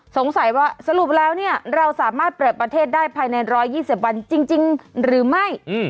สงสัยว่าสรุปแล้วเราสามารถเปิดประเทศได้ภายใน๑๒๐วันจริงหรือไม่